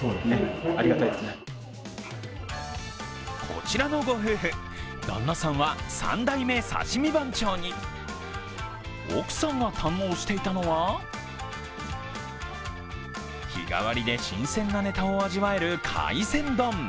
こちらの御夫婦、旦那さんは三代目刺身番長に、奥さんが堪能していたのは日替わりで新鮮なネタを味わえる海鮮丼。